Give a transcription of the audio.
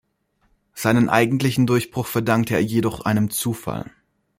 Seinen eigentlichen Durchbruch verdankte er jedoch einem Zufall.